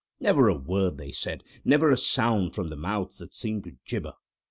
Never a word they said, never a sound from the mouths that seemed to gibber.